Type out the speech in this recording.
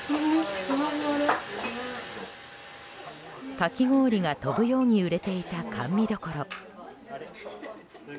かき氷が飛ぶように売れていた甘味処。